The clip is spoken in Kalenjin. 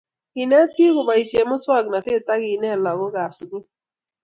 Kenet bik koboisie muswoknatet ak kenet lagokab sukul